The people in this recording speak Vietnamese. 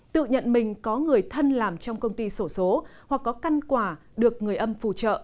tự nhận mình có người thân làm trong công ty sổ số hoặc có căn quả được người âm phù trợ